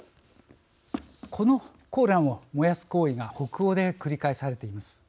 このコーランを燃やす行為が北欧で繰り返されています。